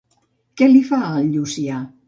Què li fa al Llucià?